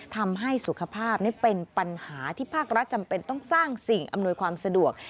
ทำให้สุขภาพเป็นปัญหาที่ภาครัฐจำเป็นต้องสร้างสิ่งอำนวยความสะดวก